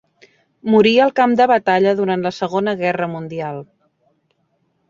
Morí al camp de batalla durant la Segona Guerra Mundial.